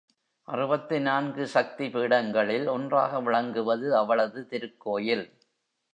அறுபத்து நான்கு சக்தி பீடங்களில் ஒன்றாக விளங்குவது அவளது திருக்கோயில்.